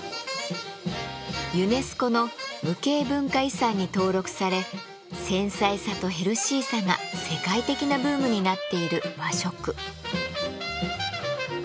ユネスコの無形文化遺産に登録され繊細さとヘルシーさが世界的なブームになっている和食。